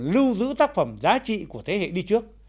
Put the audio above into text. lưu giữ tác phẩm giá trị của thế hệ đi trước